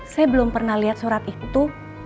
saya belum pernah lihat surat itu